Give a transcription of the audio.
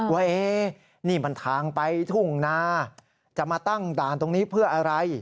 ว่านี่มันทางไปทุ่งนาจะมาตั้งด่านตรงนี้เพื่ออะไร